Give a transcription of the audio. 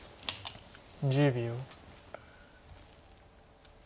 １０秒。